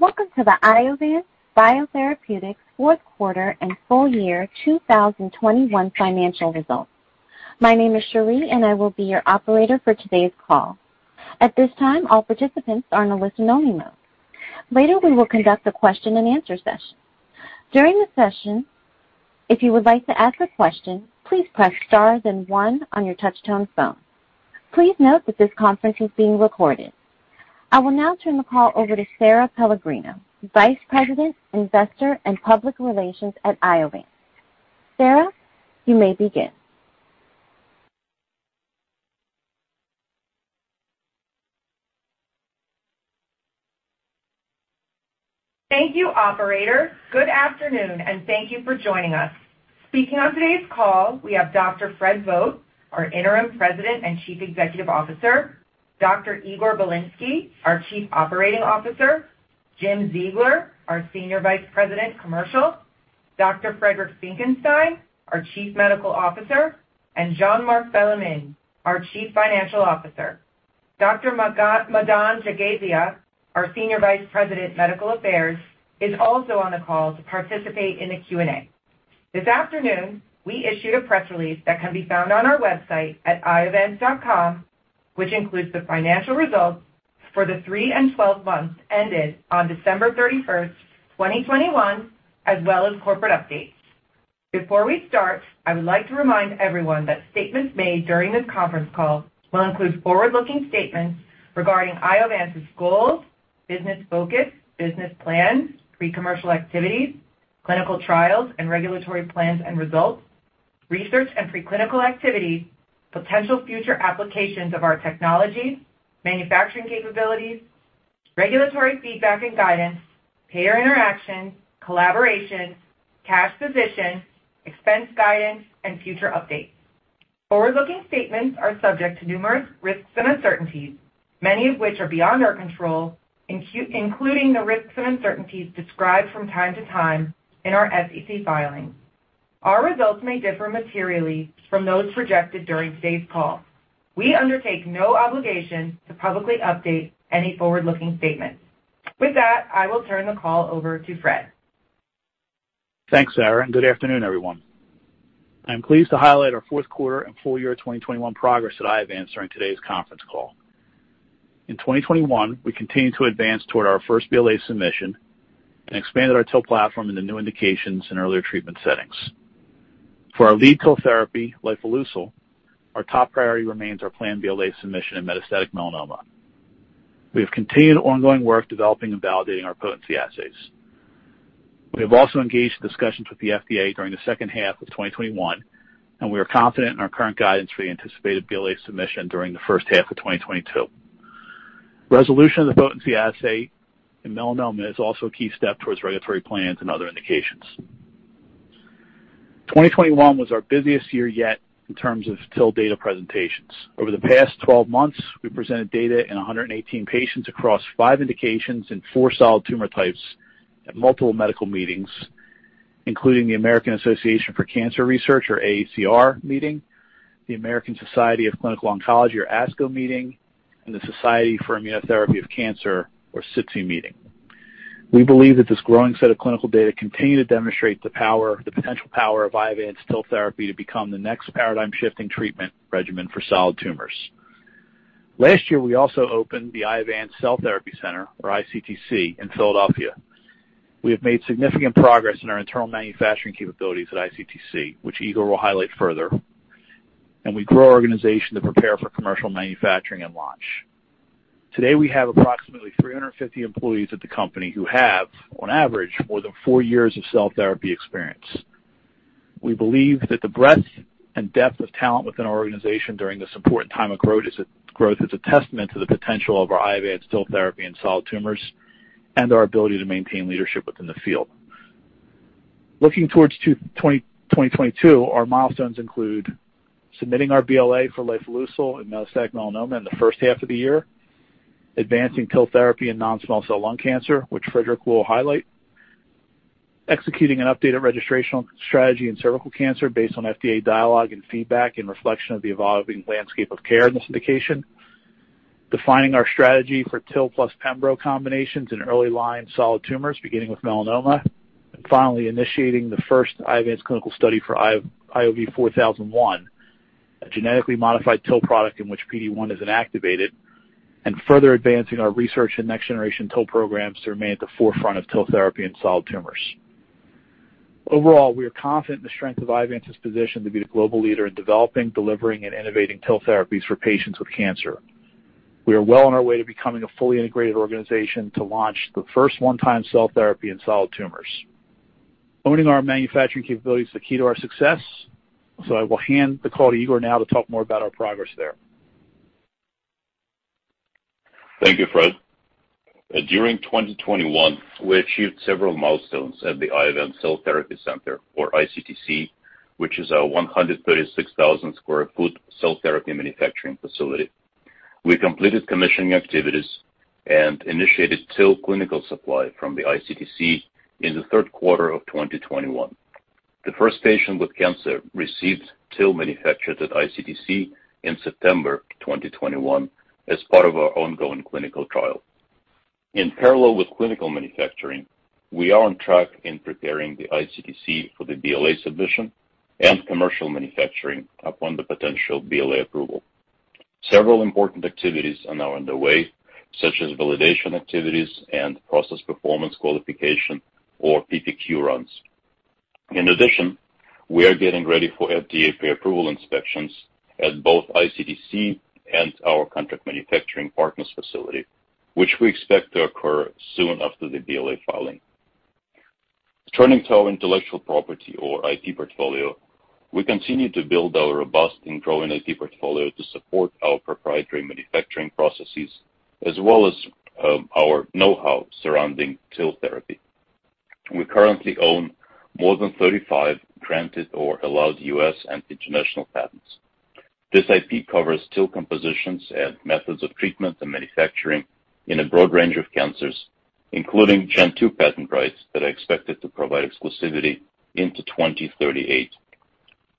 Welcome to the Iovance Biotherapeutics Fourth Quarter and Full Year 2021 Financial Results. My name is Cherie, and I will be your operator for today's call. At this time, all participants are in a listen-only mode. Later, we will conduct a question-and-answer session. During the session, if you would like to ask a question, please press star then one on your touch-tone phone. Please note that this conference is being recorded. I will now turn the call over to Sara Pellegrino, Vice President, Investor, and Public Relations at Iovance. Sara, you may begin. Thank you, operator. Good afternoon, and thank you for joining us. Speaking on today's call, we have Dr. Fred Vogt, our Interim President and Chief Executive Officer, Dr. Igor Bilinsky, our Chief Operating Officer, Jim Ziegler, our Senior Vice President, Commercial, Dr. Friedrich Graf Finckenstein, our Chief Medical Officer, and Jean-Marc Bellemin, our Chief Financial Officer. Dr. Madan Jagasia, our Senior Vice President, Medical Affairs, is also on the call to participate in the Q&A. This afternoon, we issued a press release that can be found on our website at iovance.com, which includes the financial results for the three and 12 months ended on December 31, 2021, as well as corporate updates. Before we start, I would like to remind everyone that statements made during this conference call will include forward-looking statements regarding Iovance's goals, business focus, business plans, pre-commercial activities, clinical trials and regulatory plans and results, research and pre-clinical activities, potential future applications of our technologies, manufacturing capabilities, regulatory feedback and guidance, payer interaction, collaboration, cash position, expense guidance, and future updates. Forward-looking statements are subject to numerous risks and uncertainties, many of which are beyond our control, including the risks and uncertainties described from time to time in our SEC filings. Our results may differ materially from those projected during today's call. We undertake no obligation to publicly update any forward-looking statements. With that, I will turn the call over to Fred. Thanks, Sara, and good afternoon, everyone. I'm pleased to highlight our fourth quarter and full year 2021 progress at Iovance during today's conference call. In 2021, we continued to advance toward our first BLA submission and expanded our TIL platform into new indications in earlier treatment settings. For our lead TIL therapy, lifileucel, our top priority remains our planned BLA submission in metastatic melanoma. We have continued ongoing work developing and validating our potency assays. We have also engaged discussions with the FDA during the second half of 2021, and we are confident in our current guidance for the anticipated BLA submission during the first half of 2022. Resolution of the potency assay in melanoma is also a key step towards regulatory plans and other indications. 2021 was our busiest year yet in terms of TIL data presentations. Over the past 12 months, we presented data in 118 patients across five indications in four solid tumor types at multiple medical meetings, including the American Association for Cancer Research or AACR meeting, the American Society of Clinical Oncology or ASCO meeting, and the Society for Immunotherapy of Cancer or SITC meeting. We believe that this growing set of clinical data continue to demonstrate the potential power of Iovance TIL therapy to become the next paradigm-shifting treatment regimen for solid tumors. Last year, we also opened the Iovance Cell Therapy Center or ICTC in Philadelphia. We have made significant progress in our internal manufacturing capabilities at ICTC, which Igor will highlight further. We grow our organization to prepare for commercial manufacturing and launch. Today, we have approximately 350 employees at the company who have, on average, more than four years of cell therapy experience. We believe that the breadth and depth of talent within our organization during this important time of growth is a testament to the potential of our Iovance TIL therapy in solid tumors and our ability to maintain leadership within the field. Looking towards 2022, our milestones include submitting our BLA for lifileucel in metastatic melanoma in the first half of the year, advancing TIL therapy in non-small cell lung cancer, which Friedrich will highlight, executing an updated registrational strategy in cervical cancer based on FDA dialogue and feedback in reflection of the evolving landscape of care in this indication, defining our strategy for TIL plus pembro combinations in early-line solid tumors, beginning with melanoma. Finally, initiating the first Iovance clinical study for IOV-4001, a genetically modified TIL product in which PD-1 is inactivated, and further advancing our research in next-generation TIL programs to remain at the forefront of TIL therapy in solid tumors. Overall, we are confident in the strength of Iovance's position to be the global leader in developing, delivering, and innovating TIL therapies for patients with cancer. We are well on our way to becoming a fully integrated organization to launch the first one-time cell therapy in solid tumors. Owning our manufacturing capability is the key to our success, so I will hand the call to Igor now to talk more about our progress there. Thank you, Fred. During 2021, we achieved several milestones at the Iovance Cell Therapy Center or ICTC, which is our 136,000 sq ft cell therapy manufacturing facility. We completed commissioning activities and initiated TIL clinical supply from the ICTC in the third quarter of 2021. The first patient with cancer received TIL manufactured at ICTC in September 2021 as part of our ongoing clinical trial. In parallel with clinical manufacturing, we are on track in preparing the ICTC for the BLA submission and commercial manufacturing upon the potential BLA approval. Several important activities are now underway, such as validation activities and process performance qualification or PPQ runs. In addition, we are getting ready for FDA pre-approval inspections at both ICTC and our contract manufacturing partner's facility, which we expect to occur soon after the BLA filing. Turning to our intellectual property or IP portfolio, we continue to build our robust and growing IP portfolio to support our proprietary manufacturing processes as well as our know-how surrounding TIL therapy. We currently own more than 35 granted or allowed U.S. and international patents. This IP covers TIL compositions and methods of treatment and manufacturing in a broad range of cancers, including Gen 2 patent rights that are expected to provide exclusivity into 2038.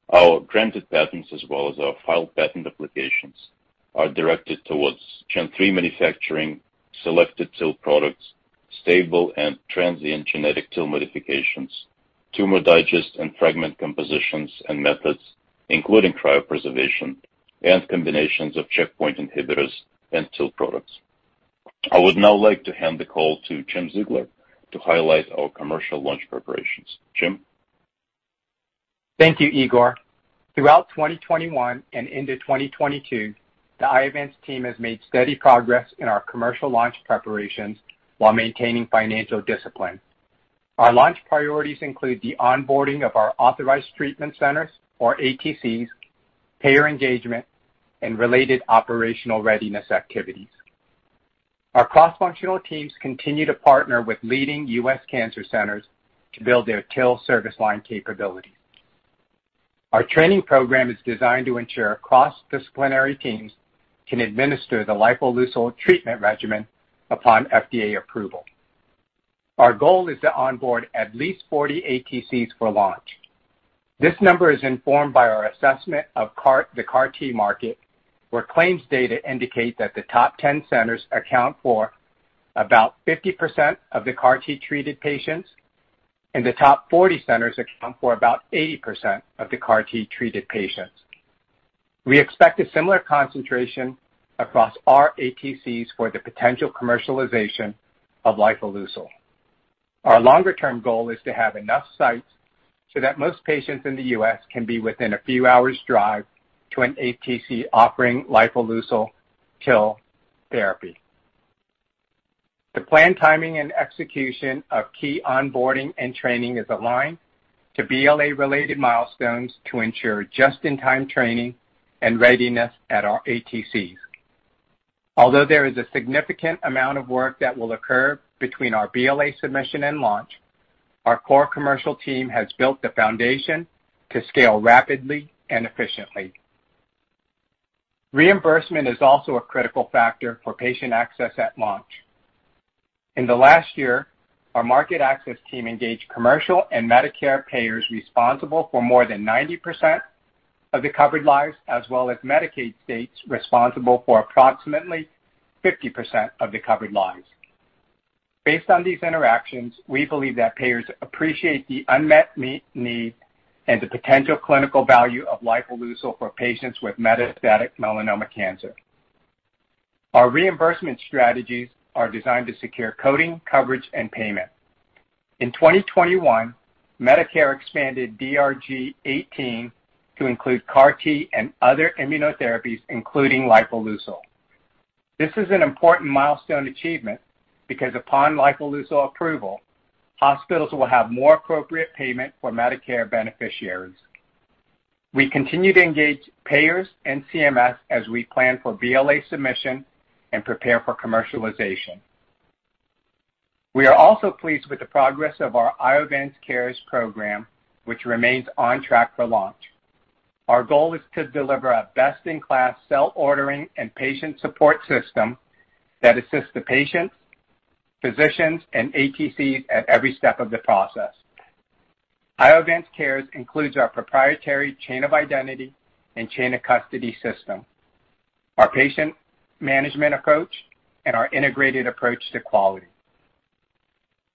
Our granted patents as well as our filed patent applications are directed towards Gen 3 manufacturing, selected TIL products, stable and transient genetic TIL modifications, tumor digest and fragment compositions and methods, including cryopreservation and combinations of checkpoint inhibitors and TIL products. I would now like to hand the call to Jim Ziegler to highlight our commercial launch preparations. Jim. Thank you, Igor. Throughout 2021 and into 2022, the Iovance team has made steady progress in our commercial launch preparations while maintaining financial discipline. Our launch priorities include the onboarding of our authorized treatment centers or ATCs, payer engagement, and related operational readiness activities. Our cross-functional teams continue to partner with leading U.S. cancer centers to build their TIL service line capabilities. Our training program is designed to ensure cross-disciplinary teams can administer the lifileucel treatment regimen upon FDA approval. Our goal is to onboard at least 40 ATCs for launch. This number is informed by our assessment of the CAR-T market, where claims data indicate that the top 10 centers account for about 50% of the CAR-T treated patients, and the top 40 centers account for about 80% of the CAR-T treated patients. We expect a similar concentration across our ATCs for the potential commercialization of lifileucel. Our longer-term goal is to have enough sites so that most patients in the U.S. can be within a few hours' drive to an ATC offering lifileucel TIL therapy. The plan, timing, and execution of key onboarding and training is aligned to BLA-related milestones to ensure just-in-time training and readiness at our ATCs. Although there is a significant amount of work that will occur between our BLA submission and launch, our core commercial team has built the foundation to scale rapidly and efficiently. Reimbursement is also a critical factor for patient access at launch. In the last year, our market access team engaged commercial and Medicare payers responsible for more than 90% of the covered lives, as well as Medicaid states responsible for approximately 50% of the covered lives. Based on these interactions, we believe that payers appreciate the unmet need and the potential clinical value of lifileucel for patients with metastatic melanoma cancer. Our reimbursement strategies are designed to secure coding, coverage, and payment. In 2021, Medicare expanded DRG 018 to include CAR-T and other immunotherapies, including lifileucel. This is an important milestone achievement because upon lifileucel approval, hospitals will have more appropriate payment for Medicare beneficiaries. We continue to engage payers and CMS as we plan for BLA submission and prepare for commercialization. We are also pleased with the progress of our IovanceCares program, which remains on track for launch. Our goal is to deliver a best-in-class cell ordering and patient support system that assists the patients, physicians, and ATCs at every step of the process. IovanceCares includes our proprietary chain of identity and chain of custody system, our patient management approach, and our integrated approach to quality.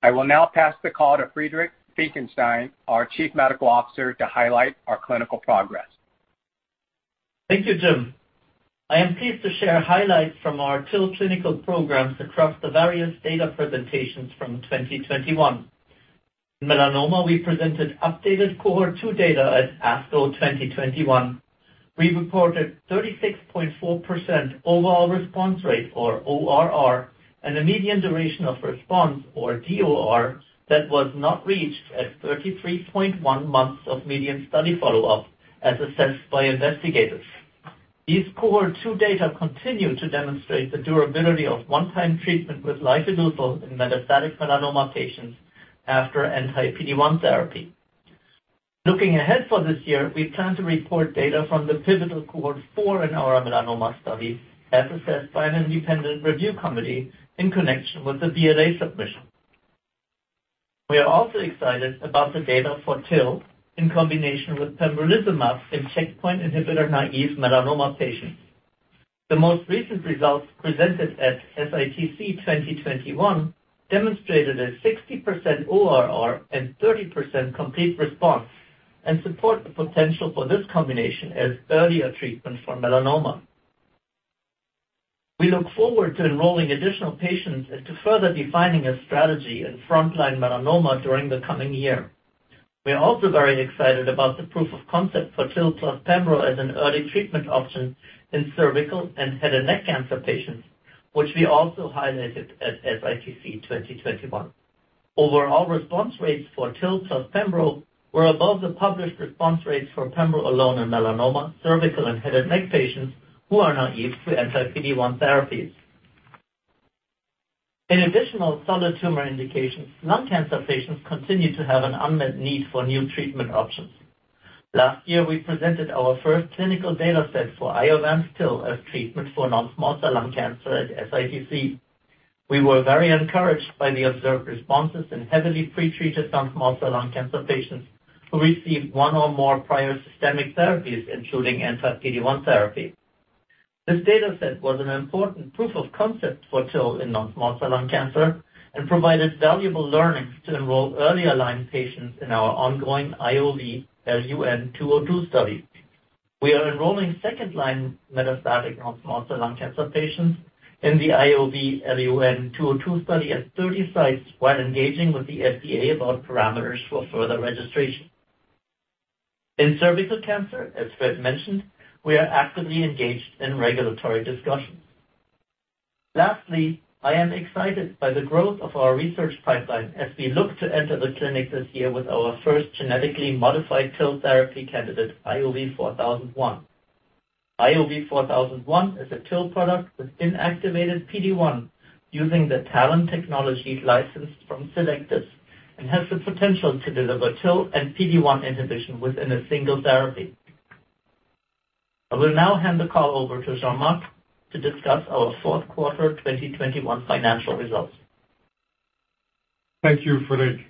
I will now pass the call to Friedrich Graf Finckenstein, our Chief Medical Officer, to highlight our clinical progress. Thank you, Jim. I am pleased to share highlights from our TIL clinical programs across the various data presentations from 2021. In melanoma, we presented updated Cohort 2 data at ASCO 2021. We reported 36.4% overall response rate or ORR and a median duration of response or DOR that was not reached at 33.1 months of median study follow-up as assessed by investigators. These Cohort 2 data continue to demonstrate the durability of one-time treatment with lifileucel in metastatic melanoma patients after anti-PD-1 therapy. Looking ahead for this year, we plan to report data from the pivotal Cohort 4 in our melanoma study, as assessed by an independent review committee in connection with the BLA submission. We are also excited about the data for TIL in combination with pembrolizumab in checkpoint inhibitor naive melanoma patients. The most recent results presented at SITC 2021 demonstrated a 60% ORR and 30% complete response, and support the potential for this combination as earlier treatment for melanoma. We look forward to enrolling additional patients and to further defining a strategy in front line melanoma during the coming year. We are also very excited about the proof of concept for TIL plus pembro as an early treatment option in cervical and head and neck cancer patients, which we also highlighted at SITC 2021. Overall response rates for TIL plus pembro were above the published response rates for pembro alone in melanoma, cervical and head and neck patients who are naive to anti-PD-1 therapies. In additional solid tumor indications, lung cancer patients continue to have an unmet need for new treatment options. Last year, we presented our first clinical data set for Iovance TIL as treatment for non-small cell lung cancer at SITC. We were very encouraged by the observed responses in heavily pre-treated non-small cell lung cancer patients who received one or more prior systemic therapies, including anti-PD-1 therapy. This data set was an important proof of concept for TIL in non-small cell lung cancer, and provided valuable learnings to enroll earlier line patients in our ongoing IOV-LUN-202 study. We are enrolling second line metastatic non-small cell lung cancer patients in the IOV-LUN-202 study at 30 sites, while engaging with the FDA about parameters for further registration. In cervical cancer, as Fred mentioned, we are actively engaged in regulatory discussions. Lastly, I am excited by the growth of our research pipeline as we look to enter the clinic this year with our first genetically modified TIL therapy candidate, IOV-4001. IOV-4001 is a TIL product with inactivated PD-1 using the TALEN technology licensed from Cellectis, and has the potential to deliver TIL and PD-1 inhibition within a single therapy. I will now hand the call over to Jean-Marc to discuss our fourth quarter 2021 financial results. Thank you, Friedrich.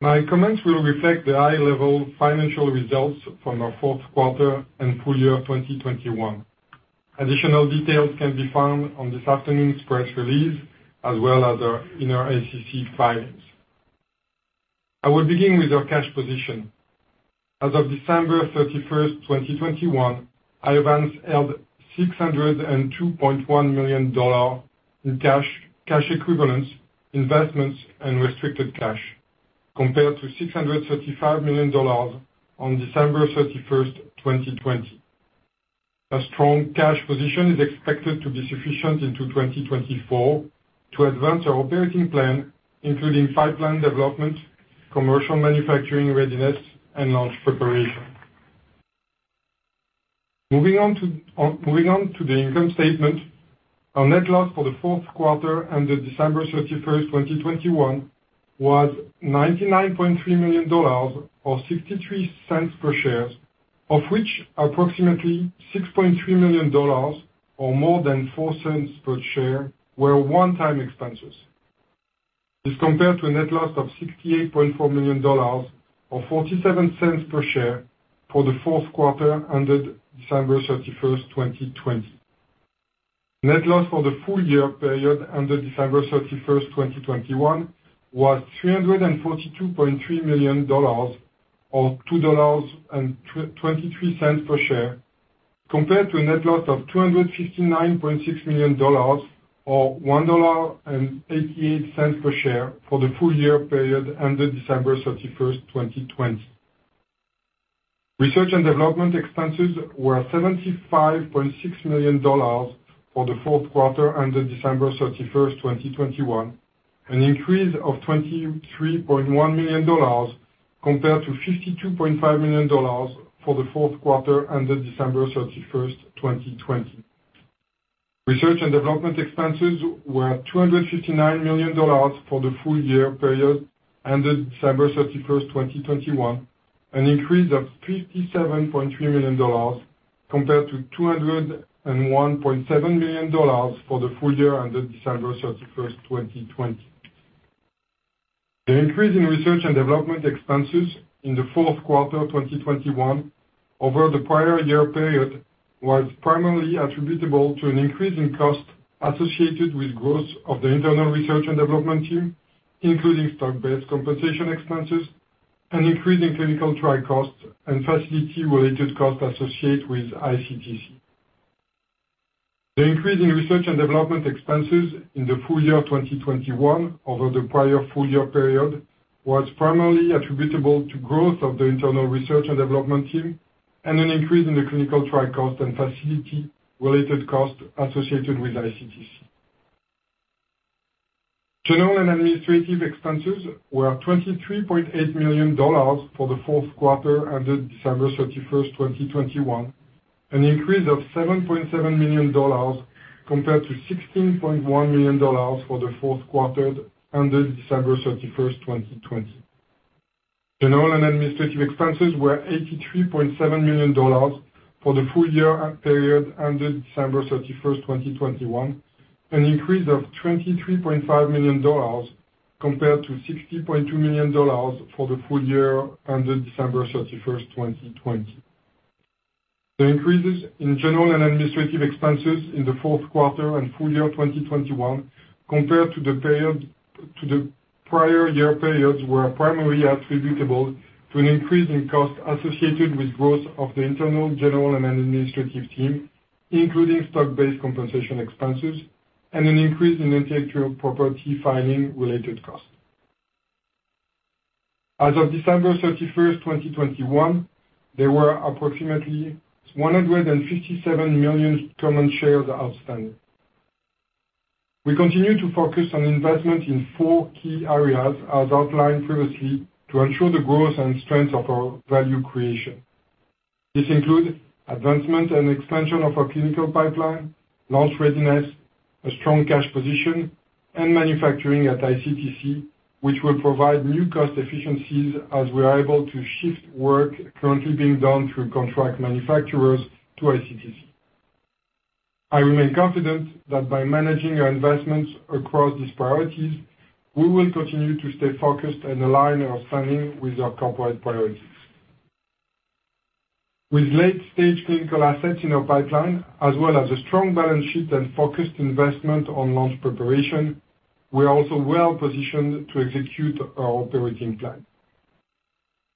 My comments will reflect the high-level financial results from our fourth quarter and full year of 2021. Additional details can be found on this afternoon's press release, as well as our, in our SEC filings. I will begin with our cash position. As of December 31, 2021, Iovance held $602.1 million in cash equivalents, investments, and restricted cash, compared to $635 million on December 31, 2020. A strong cash position is expected to be sufficient into 2024 to advance our operating plan, including pipeline development, commercial manufacturing readiness, and launch preparation. Moving on to the income statement. Our net loss for the fourth quarter ended December 31, 2021, was $99.3 million, or $0.63 per share, of which approximately $6.3 million, or more than $0.04 per share, were one-time expenses. This compared to a net loss of $68.4 million or $0.47 per share for the fourth quarter ended December 31, 2020. Net loss for the full year period ended December 31, 2021, was $342.3 million or $2.23 per share, compared to a net loss of $259.6 million or $1.88 per share for the full year period ended December 31, 2020. Research and development expenses were $75.6 million for the fourth quarter ended December 31, 2021, an increase of $23.1 million compared to $52.5 million for the fourth quarter ended December 31, 2020. Research and development expenses were $259 million for the full year period ended December 31, 2021, an increase of $57.3 million compared to $201.7 million for the full year ended December 31, 2020. The increase in research and development expenses in the fourth quarter 2021 over the prior year period was primarily attributable to an increase in cost associated with growth of the internal research and development team, including stock-based compensation expenses and increase in clinical trial costs and facility-related costs associated with ICTC. The increase in research and development expenses in the full year of 2021 over the prior full year period was primarily attributable to growth of the internal research and development team and an increase in the clinical trial cost and facility-related costs associated with ICTC. General and administrative expenses were $23.8 million for the fourth quarter ended December 31, 2021, an increase of $7.7 million compared to $16.1 million for the fourth quarter ended December 31, 2020. General and administrative expenses were $83.7 million for the full year period ended December 31, 2021, an increase of $23.5 million compared to $60.2 million for the full year ended December 31, 2020. The increases in general and administrative expenses in the fourth quarter and full year 2021 compared to the period, to the prior year periods were primarily attributable to an increase in costs associated with growth of the internal general and administrative team, including stock-based compensation expenses and an increase in intellectual property filing related costs. As of December 31, 2021, there were approximately 157 million common shares outstanding. We continue to focus on investment in four key areas as outlined previously to ensure the growth and strength of our value creation. This includes advancement and expansion of our clinical pipeline, launch readiness, a strong cash position, and manufacturing at ICTC, which will provide new cost efficiencies as we are able to shift work currently being done through contract manufacturers to ICTC. I remain confident that by managing our investments across these priorities, we will continue to stay focused and align our spending with our corporate priorities. With late-stage clinical assets in our pipeline, as well as a strong balance sheet and focused investment on launch preparation, we are also well positioned to execute our operating plan.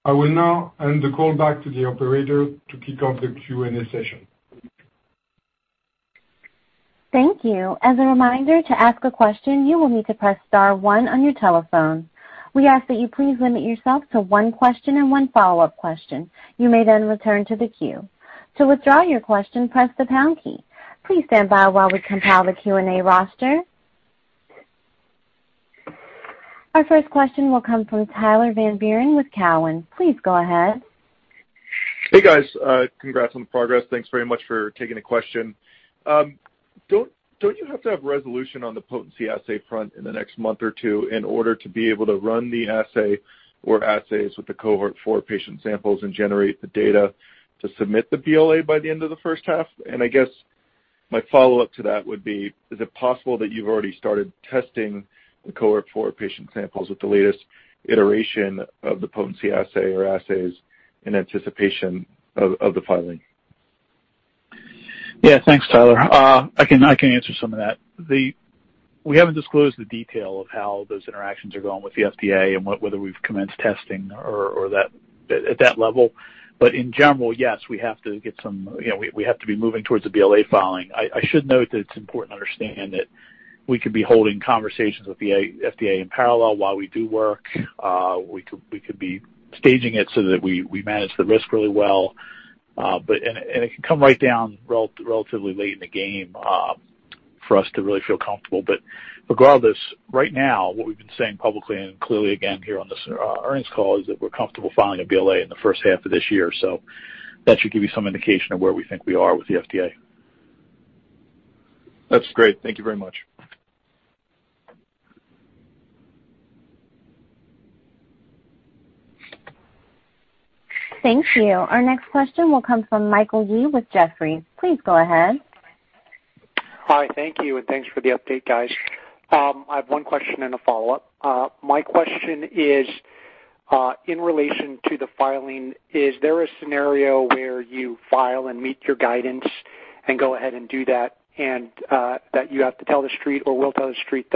I will now hand the call back to the operator to kick off the Q&A session. Thank you. As a reminder, to ask a question, you will need to press star one on your telephone. We ask that you please limit yourself to one question and one follow-up question. You may then return to the queue. To withdraw your question, press the pound key. Please stand by while we compile the Q&A roster. Our first question will come from Tyler Van Buren with Cowen. Please go ahead. Hey, guys. Congrats on the progress. Thanks very much for taking the question. Don't you have to have resolution on the potency assay front in the next month or two in order to be able to run the assay or assays with the Cohort 4 patient samples and generate the data to submit the BLA by the end of the first half? I guess my follow-up to that would be, is it possible that you've already started testing the Cohort 4 patient samples with the latest iteration of the potency assay or assays in anticipation of the filing? Yeah, thanks, Tyler. I can answer some of that. We haven't disclosed the detail of how those interactions are going with the FDA and what, whether we've commenced testing or that, at that level. In general, yes, we have to get some. We have to be moving towards the BLA filing. I should note that it's important to understand that we could be holding conversations with the FDA in parallel while we do work. We could be staging it so that we manage the risk really well. It can come right down relatively late in the game for us to really feel comfortable. Regardless, right now what we've been saying publicly and clearly again here on this earnings call is that we're comfortable filing a BLA in the first half of this year. That should give you some indication of where we think we are with the FDA. That's great. Thank you very much. Thank you. Our next question will come from Michael Yee with Jefferies. Please go ahead. Hi. Thank you, and thanks for the update, guys. I have one question and a follow-up. My question is, in relation to the filing, is there a scenario where you file and meet your guidance and go ahead and do that and that you have to tell the Street or will tell the Street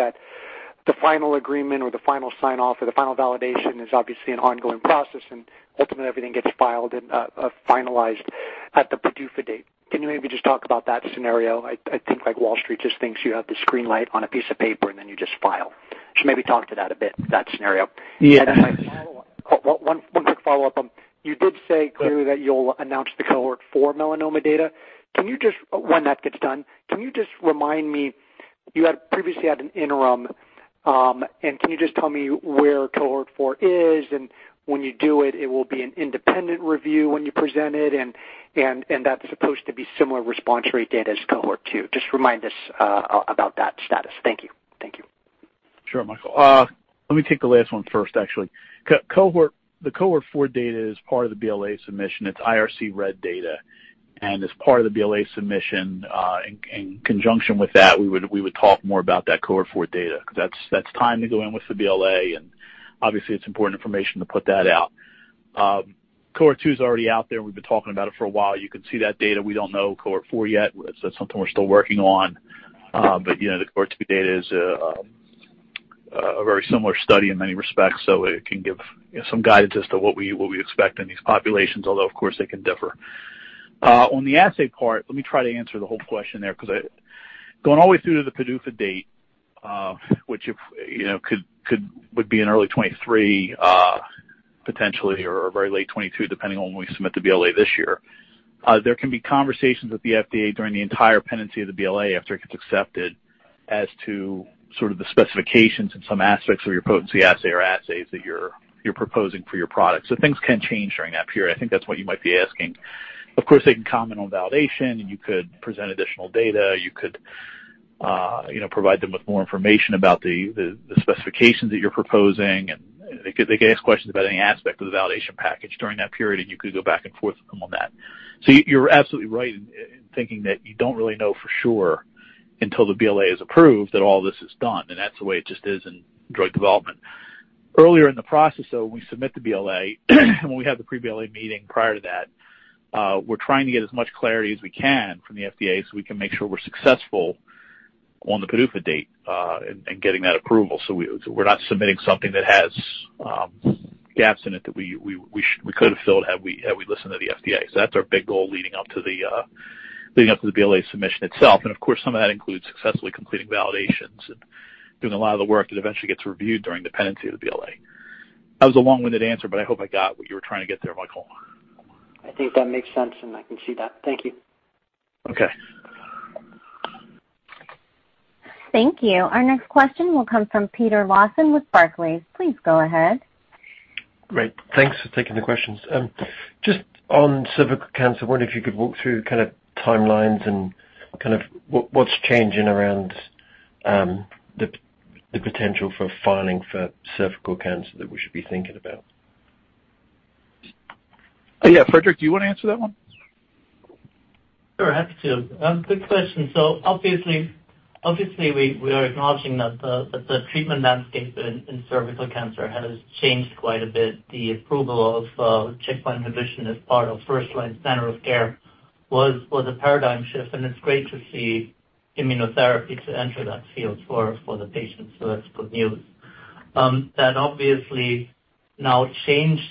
that the final agreement or the final sign-off or the final validation is obviously an ongoing process and ultimately everything gets filed and finalized at the PDUFA date? Can you maybe just talk about that scenario? I think like Wall Street just thinks you have this green light on a piece of paper, and then you just file. Maybe talk to that a bit, that scenario. Yeah. My follow-up. One quick follow-up. You did say clearly that you'll announce the Cohort 4 melanoma data. Can you just, when that gets done, can you just remind me, you had previously had an interim, and can you just tell me where Cohort 4 is? When you do it will be an independent review when you present it, and that's supposed to be similar response rate data as Cohort 2. Just remind us about that status. Thank you. Thank you. Sure, Michael. Let me take the last one first, actually. The Cohort 4 data is part of the BLA submission. It's IRC-read data, and as part of the BLA submission, in conjunction with that, we would talk more about that Cohort 4 data. That's timed to go in with the BLA, and obviously it's important information to put that out. Cohort 2 is already out there. We've been talking about it for a while. You can see that data. We don't know Cohort 4 yet. It's something we're still working on. But you know, the Cohort 2 data is a very similar study in many respects, so it can give you know, some guidance as to what we expect in these populations, although of course they can differ. On the assay part, let me try to answer the whole question there. Going all the way through to the PDUFA date, which, you know, could be in early 2023, potentially or very late 2022, depending on when we submit the BLA this year, there can be conversations with the FDA during the entire pendency of the BLA after it gets accepted as to sort of the specifications and some aspects of your potency assay or assays that you're proposing for your product. Things can change during that period. I think that's what you might be asking. Of course, they can comment on validation. You could present additional data. You could, you know, provide them with more information about the specifications that you're proposing, and they could ask questions about any aspect of the validation package during that period, and you could go back and forth with them on that. You're absolutely right in thinking that you don't really know for sure until the BLA is approved that all this is done, and that's the way it just is in drug development. Earlier in the process, though, when we submit the BLA, when we have the pre-BLA meeting prior to that, we're trying to get as much clarity as we can from the FDA so we can make sure we're successful on the PDUFA date, and getting that approval. We're not submitting something that has gaps in it that we could have filled had we listened to the FDA. That's our big goal leading up to the BLA submission itself. Of course, some of that includes successfully completing validations and doing a lot of the work that eventually gets reviewed during pendency of the BLA. That was a long-winded answer, but I hope I got what you were trying to get there, Michael. I think that makes sense, and I can see that. Thank you. Okay. Thank you. Our next question will come from Peter Lawson with Barclays. Please go ahead. Great. Thanks for taking the questions. Just on cervical cancer, wonder if you could walk through kind of timelines and kind of what's changing around the potential for filing for cervical cancer that we should be thinking about. Yeah. Friedrich, do you wanna answer that one? Sure, happy to. Good question. Obviously, we are acknowledging that the treatment landscape in cervical cancer has changed quite a bit. The approval of checkpoint inhibition as part of first-line standard of care was a paradigm shift, and it's great to see immunotherapy to enter that field for the patients. That's good news. That obviously now changed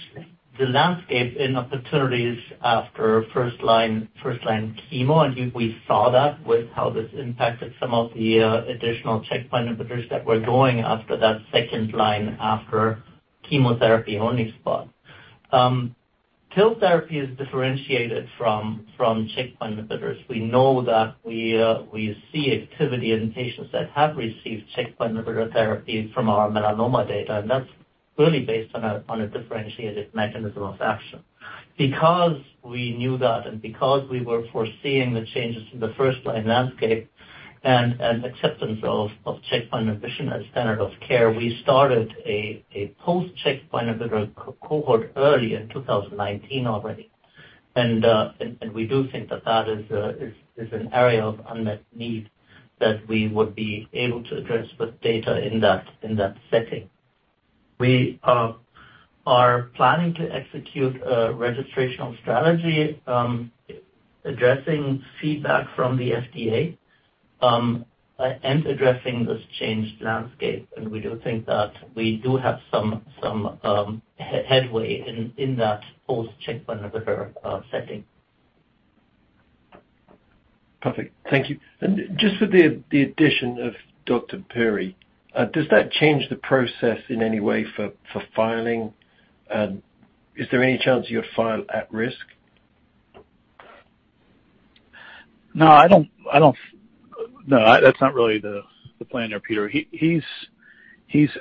the landscape in opportunities after first-line chemo, and we saw that with how this impacted some of the additional checkpoint inhibitors that were going after that second line after chemotherapy-only space. TIL therapy is differentiated from checkpoint inhibitors. We know that we see activity in patients that have received checkpoint inhibitor therapy from our melanoma data, and that's really based on a differentiated mechanism of action. Because we knew that and because we were foreseeing the changes in the first-line landscape and acceptance of checkpoint inhibition as standard of care, we started a post-checkpoint inhibitor cohort early in 2019 already. We do think that that is an area of unmet need that we would be able to address with data in that setting. We are planning to execute a registrational strategy addressing feedback from the FDA and addressing this changed landscape, and we do think that we do have some headway in that post-checkpoint inhibitor setting. Perfect. Thank you. Just with the addition of Raj Puri, does that change the process in any way for filing? Is there any chance you'll file at risk? No, I don't. That's not really the plan there, Peter. He's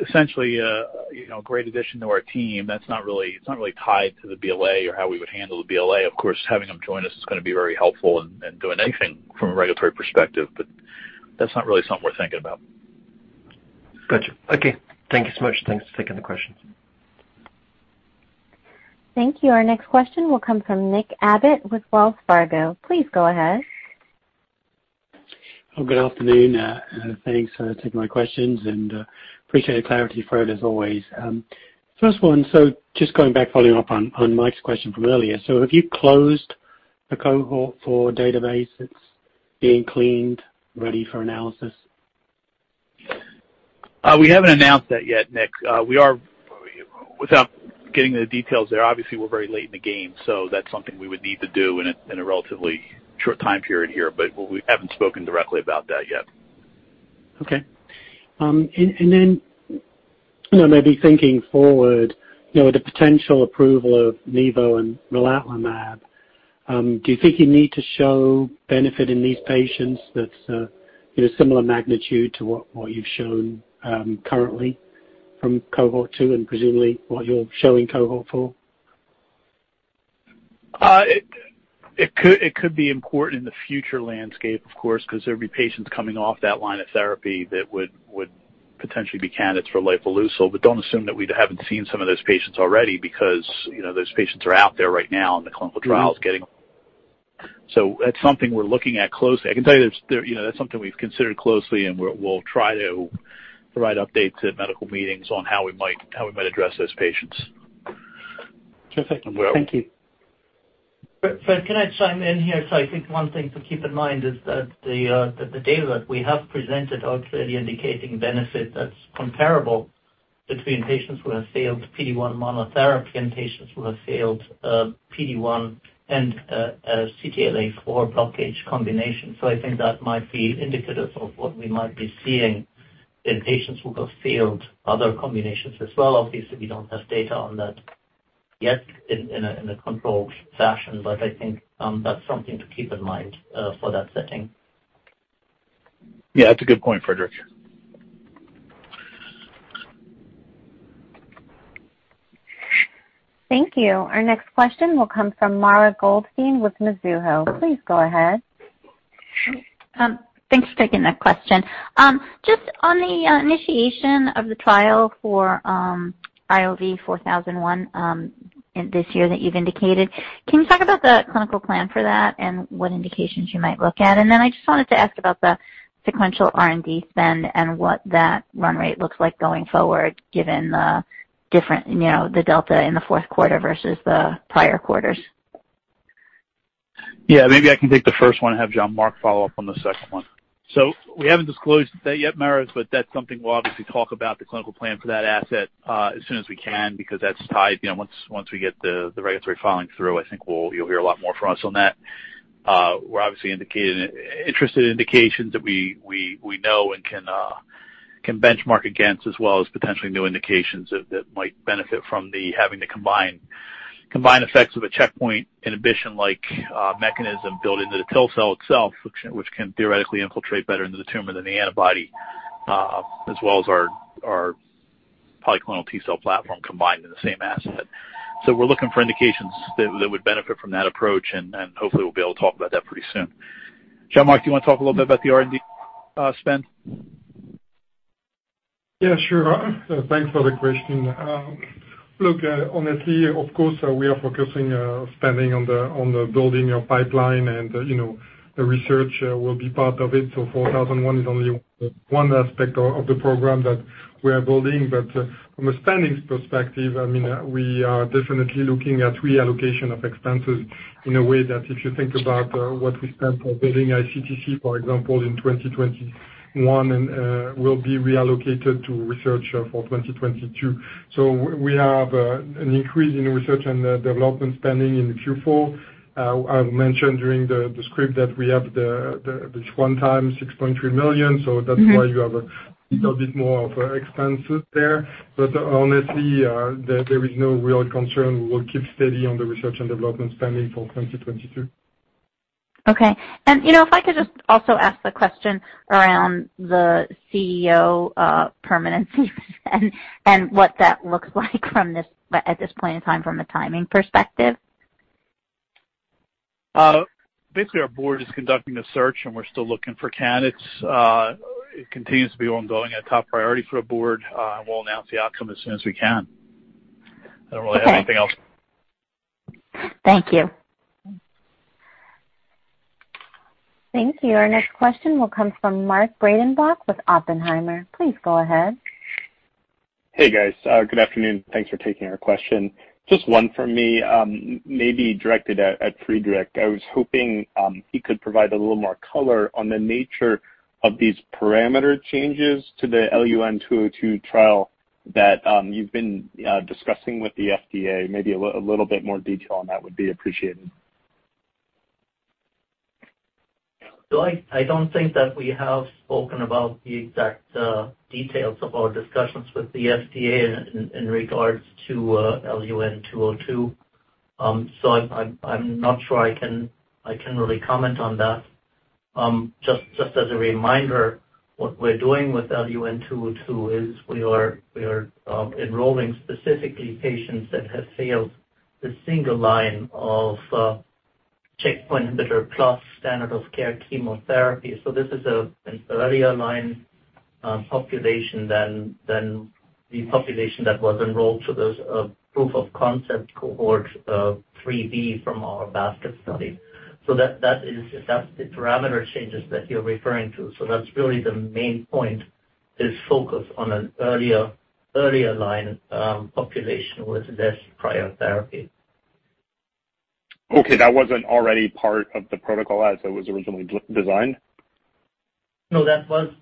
essentially a you know great addition to our team. That's not really tied to the BLA or how we would handle the BLA. Of course, having him join us is gonna be very helpful in doing anything from a regulatory perspective, but that's not really something we're thinking about. Gotcha. Okay. Thank you so much. Thanks for taking the questions. Thank you. Our next question will come from Nick Abbott with Wells Fargo. Please go ahead. Good afternoon. Thanks for taking my questions, and appreciate the clarity, Fred, as always. First one, just going back, following up on Mike's question from earlier. Have you closed the Cohort 4 database that's being cleaned, ready for analysis? We haven't announced that yet, Nick. Without getting into the details there, obviously, we're very late in the game, so that's something we would need to do in a relatively short time period here, but we haven't spoken directly about that yet. You know, maybe thinking forward, you know, the potential approval of nivolumab and relatlimab, do you think you need to show benefit in these patients that's in a similar magnitude to what you've shown currently from Cohort 2 and presumably what you're showing Cohort 4? It could be important in the future landscape, of course, 'cause there'll be patients coming off that line of therapy that would potentially be candidates for lifileucel. But don't assume that we haven't seen some of those patients already because, you know, those patients are out there right now in the clinical trials getting them. So that's something we're looking at closely. I can tell you there's. You know, that's something we've considered closely, and we'll try to provide updates at medical meetings on how we might address those patients. Perfect. Thank you. You're welcome. Fred, can I chime in here? I think one thing to keep in mind is that the data that we have presented are clearly indicating benefit that's comparable between patients who have failed PD-1 monotherapy and patients who have failed PD-1 and CTLA-4 blockade combination. I think that might be indicative of what we might be seeing in patients who have failed other combinations as well. Obviously, we don't have data on that yet in a controlled fashion, but I think that's something to keep in mind for that setting. Yeah, that's a good point, Friedrich. Thank you. Our next question will come from Mara Goldstein with Mizuho. Please go ahead. Thanks for taking that question. Just on the initiation of the trial for IOV-4001 in this year that you've indicated, can you talk about the clinical plan for that and what indications you might look at? Then I just wanted to ask about the sequential R&D spend and what that run rate looks like going forward, given the different, you know, the delta in the fourth quarter versus the prior quarters. Yeah, maybe I can take the first one and have Jean-Marc follow up on the second one. We haven't disclosed that yet, Mara, but that's something we'll obviously talk about the clinical plan for that asset, as soon as we can, because that's tied. You know, once we get the regulatory filing through, I think you'll hear a lot more from us on that. We're obviously interested in indications that we know and can benchmark against, as well as potentially new indications that might benefit from the combined effects of a checkpoint inhibition mechanism built into the TIL cell itself, which can theoretically infiltrate better into the tumor than the antibody, as well as our polyclonal T-cell platform combined in the same asset. We're looking for indications that would benefit from that approach, and hopefully we'll be able to talk about that pretty soon. Jean-Marc, do you wanna talk a little bit about the R&D spend? Yeah, sure. Thanks for the question. Look, honestly, of course, we are focusing spending on the building of pipeline and, you know, the research will be part of it. IOV-4001 is only one aspect of the program that we are building. From a spending perspective, I mean, we are definitely looking at reallocation of expenses in a way that if you think about what we spent for building ICTC, for example, in 2021 and will be reallocated to research for 2022. We have an increase in research and development spending in Q4. I've mentioned during the script that we have this one time $6.3 million. Mm-hmm. That's why you have a little bit more of expenses there. Honestly, there is no real concern. We'll keep steady on the research and development spending for 2022. Okay. You know, if I could just also ask the question around the CEO permanency and what that looks like from this, at this point in time, from a timing perspective? Basically, our board is conducting a search, and we're still looking for candidates. It continues to be ongoing, a top priority for our board, and we'll announce the outcome as soon as we can. Okay. I don't really have anything else. Thank you. Thank you. Our next question will come from Mark Breidenbach with Oppenheimer. Please go ahead. Hey, guys. Good afternoon. Thanks for taking our question. Just one from me, maybe directed at Friedrich. I was hoping he could provide a little more color on the nature of these parameter changes to the IOV-LUN-202 trial that you've been discussing with the FDA. Maybe a little bit more detail on that would be appreciated. I don't think that we have spoken about the exact details of our discussions with the FDA in regards to LUN-202. I'm not sure I can really comment on that. Just as a reminder, what we're doing with LUN-202 is we are enrolling specifically patients that have failed the single line of checkpoint inhibitor plus standard of care chemotherapy. This is an earlier line population than the population that was enrolled to this proof of concept Cohort 3B from our basket study. That is, if that's the parameter changes that you're referring to. That's really the main point is focus on an earlier line population with this prior therapy. Okay, that wasn't already part of the protocol as it was originally designed? No, that was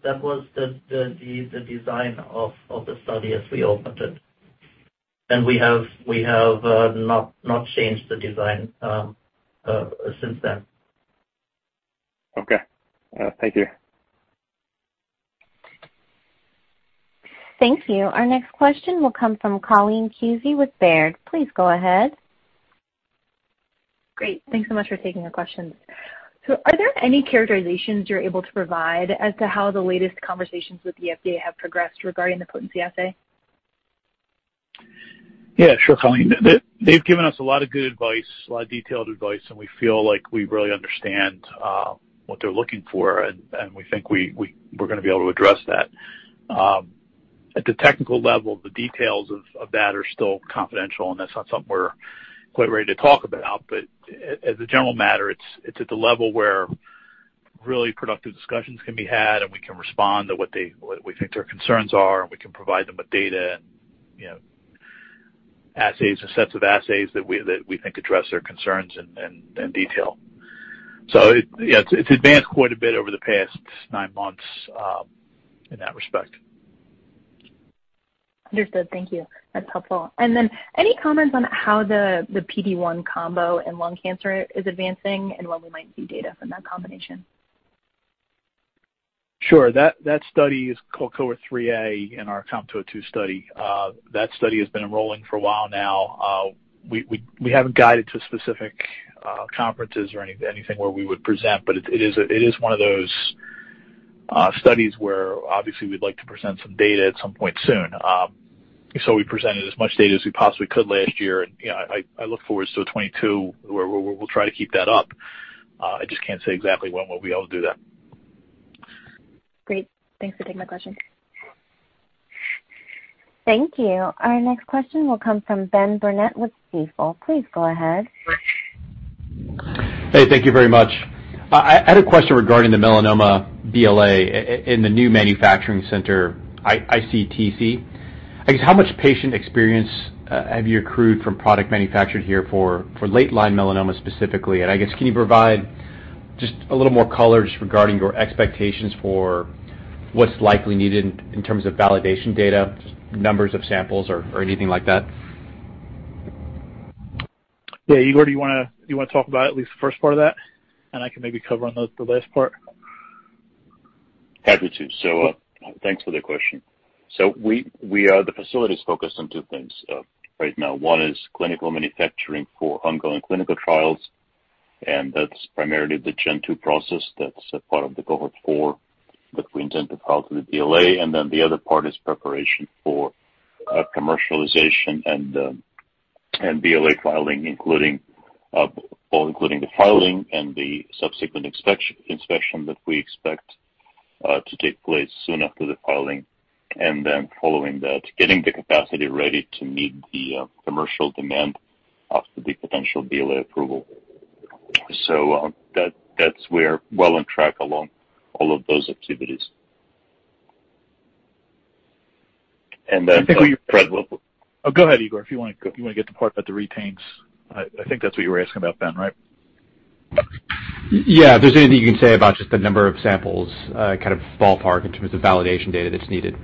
the design of the study as we opened it. We have not changed the design since then. Okay. Thank you. Thank you. Our next question will come from Colleen Kusy with Baird. Please go ahead. Great. Thanks so much for taking our questions. Are there any characterizations you're able to provide as to how the latest conversations with the FDA have progressed regarding the potency assay? Yeah, sure, Colleen. They've given us a lot of good advice, a lot of detailed advice, and we feel like we really understand what they're looking for, and we think we're gonna be able to address that. At the technical level, the details of that are still confidential, and that's not something we're quite ready to talk about. As a general matter, it's at the level where really productive discussions can be had, and we can respond to what we think their concerns are, and we can provide them with data and, you know, assays and sets of assays that we think address their concerns in detail. It's advanced quite a bit over the past nine months in that respect. Understood. Thank you. That's helpful. Any comments on how the PD-1 combo in lung cancer is advancing and when we might see data from that combination? Sure. That study is Cohort 3A in our IOV-COM-202 study. That study has been enrolling for a while now. We haven't guided to specific conferences or anything where we would present, but it is one of those studies where obviously we'd like to present some data at some point soon. We presented as much data as we possibly could last year, and, you know, I look forward to 2022 where we'll try to keep that up. I just can't say exactly when we'll be able to do that. Great. Thanks for taking my question. Thank you. Our next question will come from Ben Burnett with Stifel. Please go ahead. Hey, thank you very much. I had a question regarding the melanoma BLA in the new manufacturing center, ICTC. I guess how much patient experience have you accrued from product manufactured here for late-line melanoma specifically? And I guess can you provide just a little more color just regarding your expectations for what's likely needed in terms of validation data, just numbers of samples or anything like that? Yeah, Igor, do you wanna talk about at least the first part of that? I can maybe cover on the last part. Happy to. Thanks for the question. We the facility is focused on two things right now. One is clinical manufacturing for ongoing clinical trials, and that's primarily the Gen 2 process that's a part of the Cohort 4 that we intend to file to the BLA. The other part is preparation for commercialization and BLA filing, including well including the filing and the subsequent inspection that we expect to take place soon after the filing. Following that, getting the capacity ready to meet the commercial demand after the potential BLA approval. That's where we're well on track along all of those activities. Fred will- Oh, go ahead, Igor, if you wanna go, you wanna get the part about the retains. I think that's what you were asking about, Ben, right? Yeah. If there's anything you can say about just the number of samples, kind of ballpark in terms of validation data that's needed.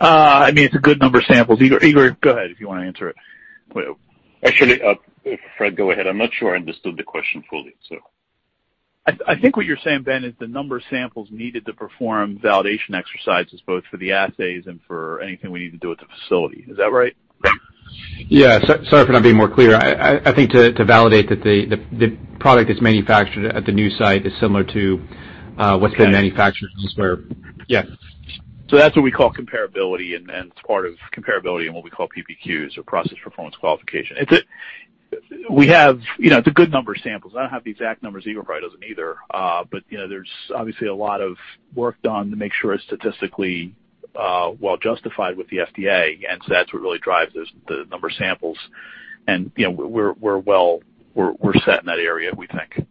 I mean, it's a good number of samples. Igor, go ahead if you wanna answer it. Actually, Fred, go ahead. I'm not sure I understood the question fully, so. I think what you're saying, Ben, is the number of samples needed to perform validation exercises both for the assays and for anything we need to do with the facility. Is that right? Yeah. Sorry for not being more clear. I think to validate that the product that's manufactured at the new site is similar to what's been manufactured elsewhere. Yeah. That's what we call comparability and it's part of comparability and what we call PPQs or Process Performance Qualification. We have, you know, it's a good number of samples. I don't have the exact numbers, Igor probably doesn't either. But you know, there's obviously a lot of work done to make sure it's statistically well justified with the FDA, and so that's what really drives the number of samples. You know, we're well set in that area, we think.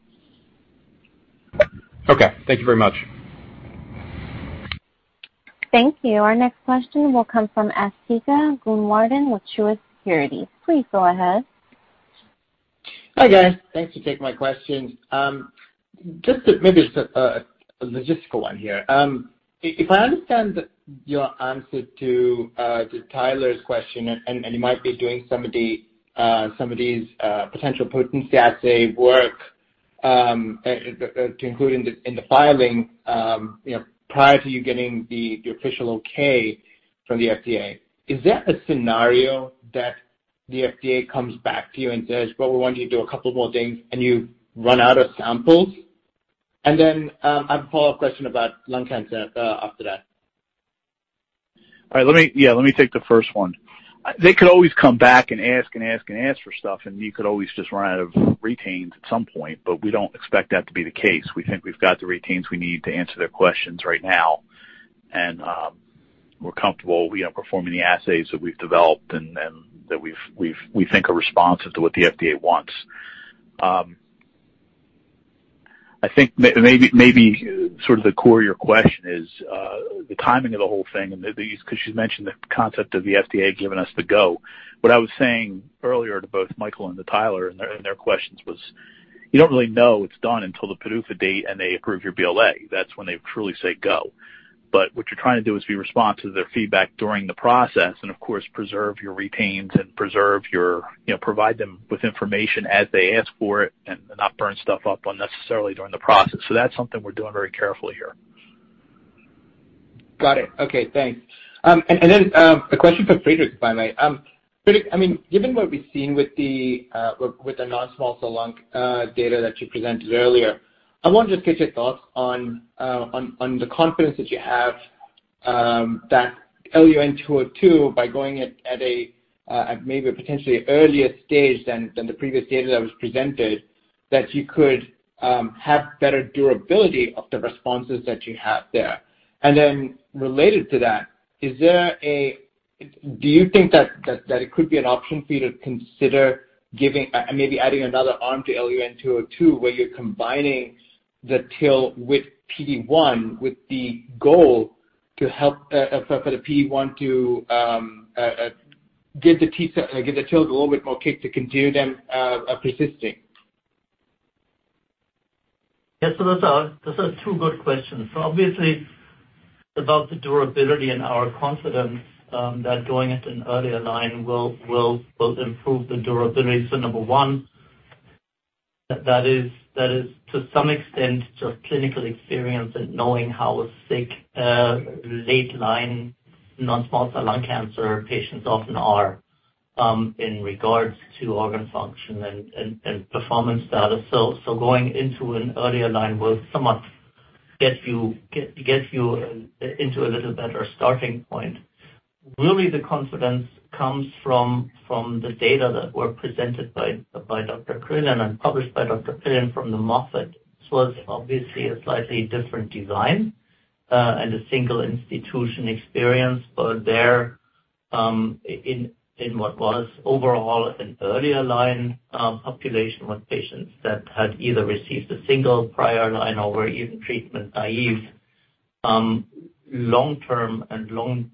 Okay. Thank you very much. Thank you. Our next question will come from Asthika Goonewardene with Truist Securities. Please go ahead. Hi, guys. Thanks for taking my question. Just to maybe set a logistical one here. If I understand your answer to Tyler's question, and you might be doing some of these potential potency assay work to include in the filing, you know, prior to you getting the official okay from the FDA, is that a scenario that the FDA comes back to you and says, "Well, we want you to do a couple more things," and you run out of samples? I have a follow-up question about lung cancer after that. All right. Let me take the first one. They could always come back and ask for stuff, and you could always just run out of reagents at some point, but we don't expect that to be the case. We think we've got the reagents we need to answer their questions right now. We're comfortable, you know, performing the assays that we've developed and that we think are responsive to what the FDA wants. I think maybe sort of the core of your question is the timing of the whole thing and these, 'cause you mentioned the concept of the FDA giving us the go. What I was saying earlier to both Michael and to Tyler in their questions was, you don't really know it's done until the PDUFA date and they approve your BLA. That's when they truly say go. What you're trying to do is be responsive to their feedback during the process and of course preserve your rights and, you know, provide them with information as they ask for it and not burn bridges unnecessarily during the process. That's something we're doing very carefully here. Got it. Okay, thanks. A question for Friedrich if I may. Friedrich, I mean, given what we've seen with the non-small cell lung data that you presented earlier, I want to just get your thoughts on the confidence that you have that LUN-202 by going it at maybe a potentially earlier stage than the previous data that was presented, that you could have better durability of the responses that you have there. Then related to that, is there a... Do you think that it could be an option for you to consider giving maybe adding another arm to IOV-LUN-202, where you're combining the TIL with PD-1 with the goal to help for the PD-1 to give the TILs a little bit more kick to continue them persisting? Yeah. Those are two good questions. Obviously, about the durability and our confidence that going at an earlier line will improve the durability. Number one, that is to some extent just clinical experience and knowing how sick late-line non-small cell lung cancer patients often are. In regards to organ function and performance status. Going into an earlier line will somewhat get you into a little better starting point. Really, the confidence comes from the data that were presented by Dr. Creelan and published by Dr. Creelan from the Moffitt. This was obviously a slightly different design and a single-institution experience in what was overall an earlier line population with patients that had either received a single prior line or were even treatment-naive, long-term and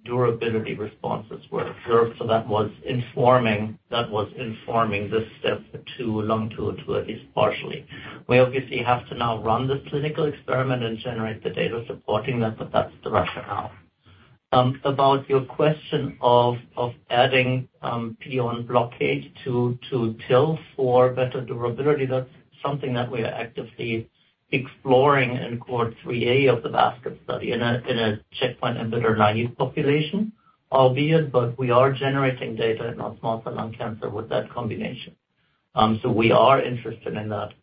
durable responses were observed. That was informing this step to frontline to at least partially. We obviously have to now run this clinical experiment and generate the data supporting that, but that's the rationale. About your question of adding PD-1 blockade to TIL for better durability, that's something that we are actively exploring in Cohort 3A of the basket study in a checkpoint inhibitor-naive population, albeit we are generating data in our non-small-cell lung cancer with that combination. So we are interested in that.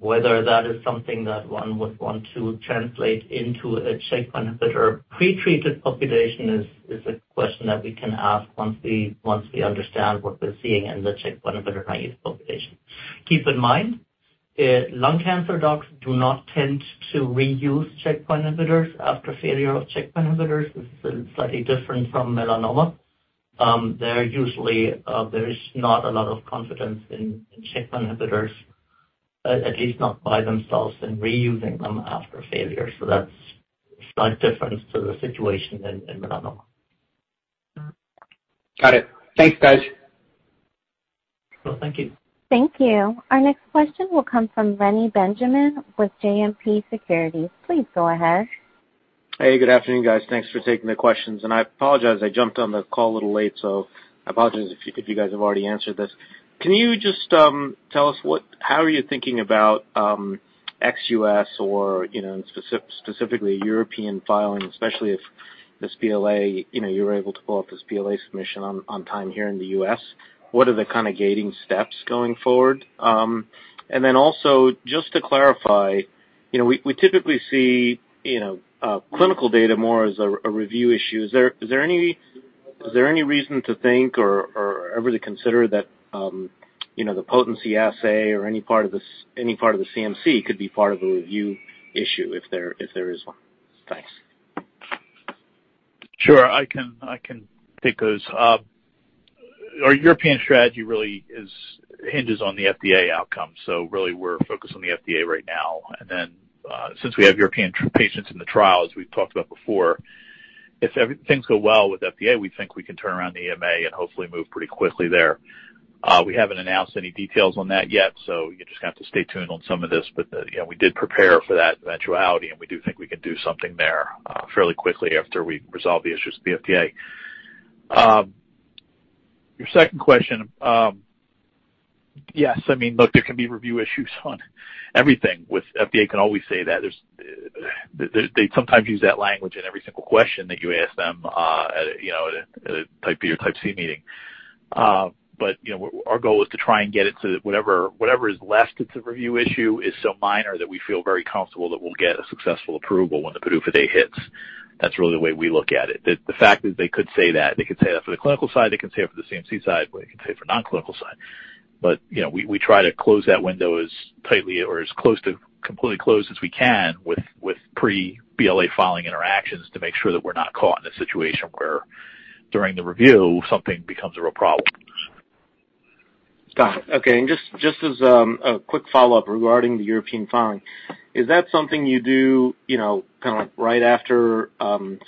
Whether that is something that one would want to translate into a checkpoint inhibitor-pretreated population is a question that we can ask once we understand what we're seeing in the checkpoint inhibitor-naive population. Keep in mind, lung cancer docs do not tend to reuse checkpoint inhibitors after failure of checkpoint inhibitors. This is slightly different from melanoma. There is not a lot of confidence in checkpoint inhibitors, at least not by themselves in reusing them after failure. That's slight difference to the situation in melanoma. Got it. Thanks, guys. Well, thank you. Thank you. Our next question will come from Reni Benjamin with JMP Securities. Please go ahead. Hey, good afternoon, guys. Thanks for taking the questions. I apologize, I jumped on the call a little late, so I apologize if you guys have already answered this. Can you just tell us how you are thinking about ex-US or, you know, specifically European filing, especially if this BLA, you know, you are able to pull off this BLA submission on time here in the U.S. What are the kind of gating steps going forward? Also just to clarify, you know, we typically see, you know, clinical data more as a review issue. Is there any reason to think or ever to consider that, you know, the potency assay or any part of the CMC could be part of a review issue if there is one? Thanks. Sure. I can take those. Our European strategy really hinges on the FDA outcome, so really we're focused on the FDA right now. Since we have European patients in the trials we've talked about before, if things go well with FDA, we think we can turn around the EMA and hopefully move pretty quickly there. We haven't announced any details on that yet, so you're just gonna have to stay tuned on some of this. You know, we did prepare for that eventuality, and we do think we can do something there fairly quickly after we resolve the issues with the FDA. Your second question, yes. I mean, look, there can be review issues on everything with the FDA. The FDA can always say that. They sometimes use that language in every single question that you ask them at a type B or type C meeting. Our goal is to try and get it to whatever is left that's a review issue is so minor that we feel very comfortable that we'll get a successful approval when the PDUFA date hits. That's really the way we look at it. The fact that they could say that, they could say that for the clinical side, they can say it for the CMC side, they can say it for non-clinical side. you know, we try to close that window as tightly or as close to completely closed as we can with pre-BLA filing interactions to make sure that we're not caught in a situation where during the review something becomes a real problem. Got it. Okay. Just as a quick follow-up regarding the European filing, is that something you do, you know, kind of right after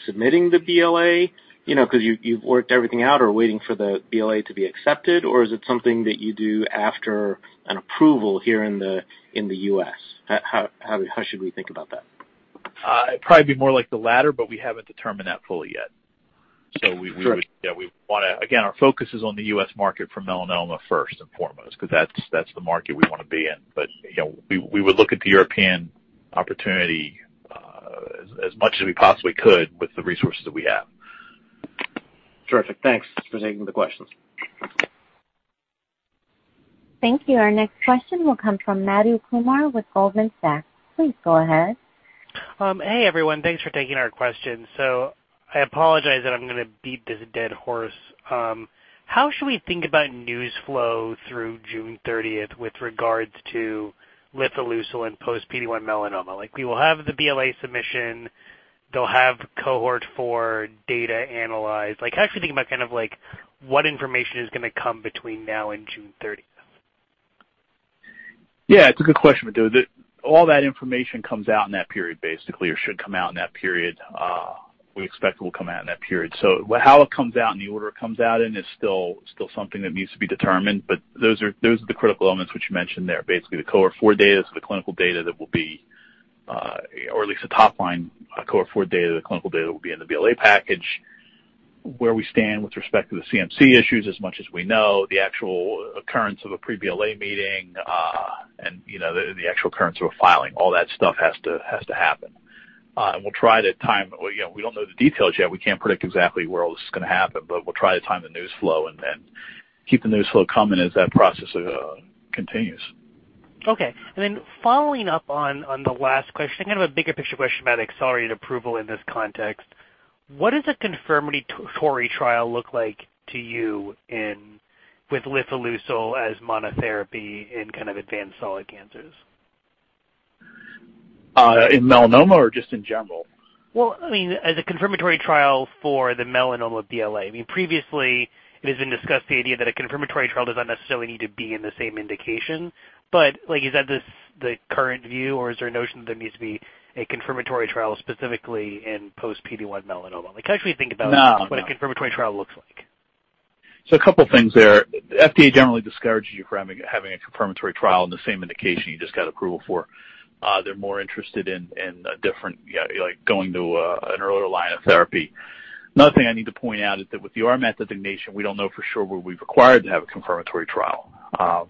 submitting the BLA, you know, 'cause you've worked everything out or waiting for the BLA to be accepted? Or is it something that you do after an approval here in the U.S.? How should we think about that? It'd probably be more like the latter, but we haven't determined that fully yet. Sure. Again, our focus is on the U.S. market for melanoma first and foremost, 'cause that's the market we wanna be in. You know, we would look at the European opportunity as much as we possibly could with the resources that we have. Terrific. Thanks for taking the questions. Thank you. Our next question will come from Madhu Kumar with Goldman Sachs. Please go ahead. Hey, everyone. Thanks for taking our questions. I apologize that I'm gonna beat this dead horse. How should we think about news flow through June 30th with regards to lifileucel and post PD-1 melanoma? Like, we will have the BLA submission, they'll have Cohort 4 data analyzed. Like, how should we think about kind of like what information is gonna come between now and June 30th? Yeah, it's a good question. All that information comes out in that period basically, or should come out in that period, we expect it will come out in that period. How it comes out and the order it comes out in is still something that needs to be determined, but those are the critical elements which you mentioned there. Basically, the Cohort 4 data is the clinical data that will be, or at least the top line Cohort 4 data, the clinical data that will be in the BLA package. Where we stand with respect to the CMC issues as much as we know, the actual occurrence of a pre-BLA meeting, and you know, the actual occurrence of a filing, all that stuff has to happen. We'll try to time. You know, we don't know the details yet. We can't predict exactly where all this is gonna happen, but we'll try to time the news flow and then keep the news flow coming as that process continues. Okay. Following up on the last question, kind of a bigger picture question about accelerated approval in this context. What does a confirmatory trial look like to you with lifileucel as monotherapy in kind of advanced solid cancers? In melanoma or just in general? Well, I mean, as a confirmatory trial for the melanoma BLA. I mean, previously it has been discussed, the idea that a confirmatory trial does not necessarily need to be in the same indication. Like, is that this, the current view, or is there a notion that there needs to be a confirmatory trial specifically in post PD-1 melanoma? Like, how should we think about- No. What a confirmatory trial looks like? A couple things there. FDA generally discourages you from having a confirmatory trial in the same indication you just got approval for. They're more interested in a different, yeah, like going to an earlier line of therapy. Another thing I need to point out is that with the RMAT designation, we don't know for sure whether we'd be required to have a confirmatory trial.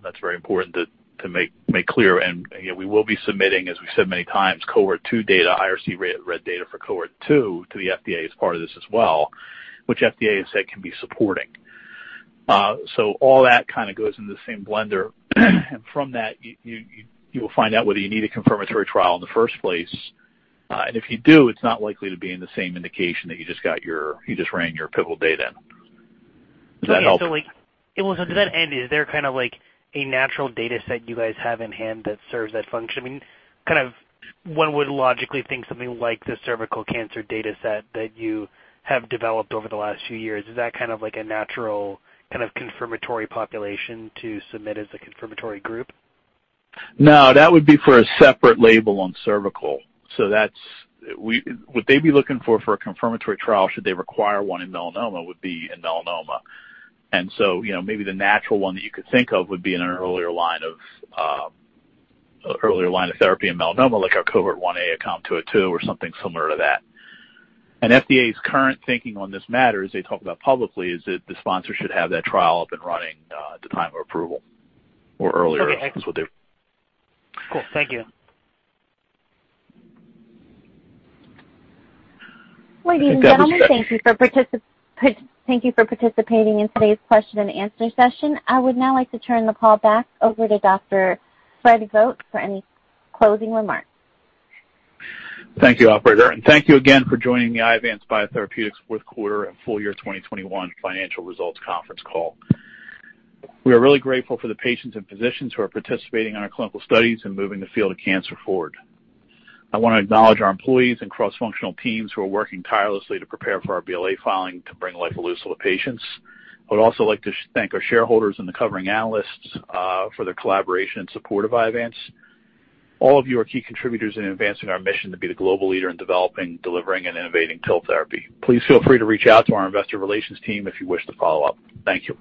That's very important to make clear. You know, we will be submitting, as we said many times, Cohort 2 data, IRC read data for Cohort 2 to the FDA as part of this as well, which FDA has said can be supporting. All that kind of goes into the same blender. From that, you will find out whether you need a confirmatory trial in the first place. If you do, it's not likely to be in the same indication that you just ran your pivotal data in. Does that help? To that end, is there kind of like a natural data set you guys have in-hand that serves that function? I mean, kind of one would logically think something like the cervical cancer data set that you have developed over the last few years. Is that kind of like a natural kind of confirmatory population to submit as a confirmatory group? No, that would be for a separate label on cervical. What they'd be looking for a confirmatory trial, should they require one in melanoma, would be in melanoma. You know, maybe the natural one that you could think of would be in an earlier line of therapy in melanoma, like our Cohort 1A IOV-COM-202 or something similar to that. FDA's current thinking on this matter, as they talk about publicly, is that the sponsor should have that trial up and running at the time of approval or earlier. Okay. Is what they. Cool. Thank you. Ladies and gentlemen, thank you for participating in today's question and answer session. I would now like to turn the call back over to Dr. Fred Vogt for any closing remarks. Thank you, operator. Thank you again for joining the Iovance Biotherapeutics Fourth Quarter and Full Year 2021 Financial Results Conference Call. We are really grateful for the patients and physicians who are participating in our clinical studies and moving the field of cancer forward. I wanna acknowledge our employees and cross-functional teams who are working tirelessly to prepare for our BLA filing to bring lifileucel to patients. I would also like to thank our shareholders and the covering analysts for their collaboration and support of Iovance. All of you are key contributors in advancing our mission to be the global leader in developing, delivering and innovating TIL therapy. Please feel free to reach out to our investor relations team if you wish to follow up. Thank you.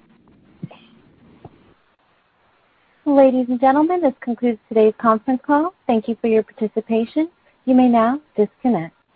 Ladies and gentlemen, this concludes today's conference call. Thank you for your participation. You may now disconnect.